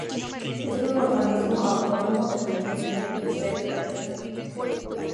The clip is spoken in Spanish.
Es un organismo autónomo dependiente del Ministerio de Medio Ambiente.